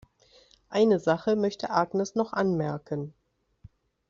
Eine Sache möchte Agnes noch anmerken.